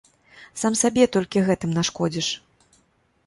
Сам сабе толькі гэтым нашкодзіш.